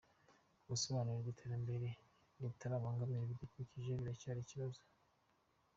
Gusobanukirwa iterambere ritabangamira ibidukikije biracyari ikibazo